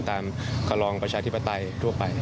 ตามคำลองประชาธิปไตยทั่วไป